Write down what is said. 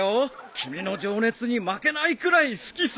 君の情熱に負けないくらい好きさ。